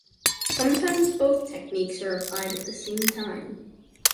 Sometimes both techniques are applied at the same time.